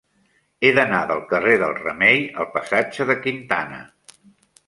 He d'anar del carrer del Remei al passatge de Quintana.